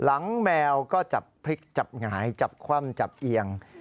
แมวก็จับพริกจับหงายจับคว่ำจับเอียง